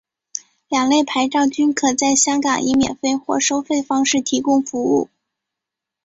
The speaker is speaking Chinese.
两类牌照均可在香港以免费或收费方式提供服务。